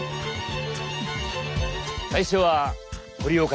最初は堀岡さん。